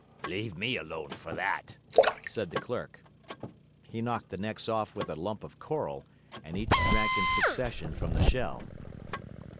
'Leave me alone for that,' said the clerk. He knocked the necks off with a lump of coral, and each drank in succession from the shell.